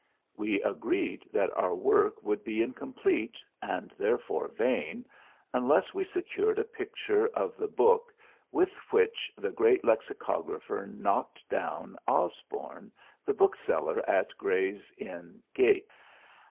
We agreed that our work would be incomplete, and therefore vain, unless we secured a picture of the book with which the great lexicographer knocked down Osborne, the bookseller at Gray's Inn Gate.